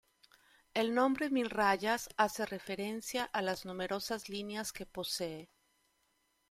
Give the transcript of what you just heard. El nombre mil rayas hace referencia a las numerosas líneas que posee.